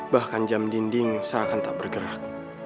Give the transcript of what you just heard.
bahkan jam dinding seakan tak bergerak